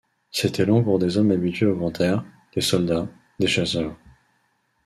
C’était long pour des hommes habitués au grand air, des soldats, des chasseurs.